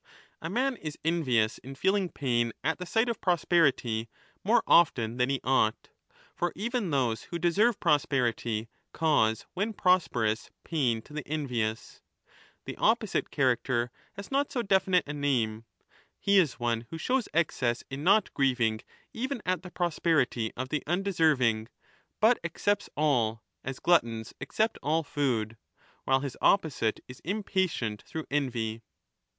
A man is envious in feeling pain at^he sight of prosperity more often than he ought, for even those who deserve prosperity cause when prosperous pain to the envious ; the opposite 40 character has not so definite a name : he is one who shows 1221*' excess in not grieving even at the prosperity of the undeserving, but accepts all, as gluttons accept all food, while his opposite is impatient through envy.